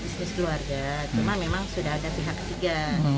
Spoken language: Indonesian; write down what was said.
bisnis keluarga cuma memang sudah ada pihak ketiga